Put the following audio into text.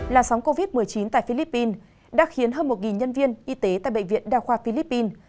làn sóng covid một mươi chín tại philippines đã khiến hơn một nhân viên y tế tại bệnh viện đa khoa philippines